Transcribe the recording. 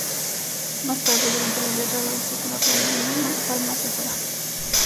Más tarde durante la guerra la usó con la palma hacia afuera.